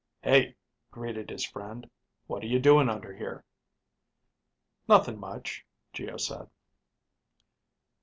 "Hey," greeted his friend. "What are you doing under here?" "Nothing much," Geo said.